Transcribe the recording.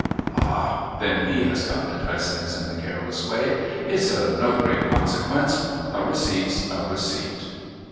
' Ah ! Then he has got it ' I says in a careless way. ' It's of no great consequence. A receipt's a receipt.'